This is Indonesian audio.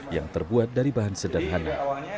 yang terbuat dari bahan sederhana